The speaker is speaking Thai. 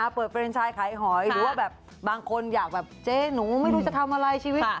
เปิดเรนชายขายหอยหรือว่าแบบบางคนอยากแบบเจ๊หนูไม่รู้จะทำอะไรชีวิต